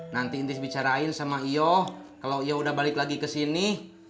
nanti tis bicarain sama iyo kalau iyo udah balik lagi ke sini